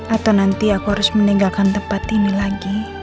atau nanti aku harus meninggalkan tempat ini lagi